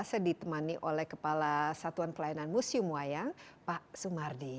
saya ditemani oleh kepala satuan pelayanan museum wayang pak sumardi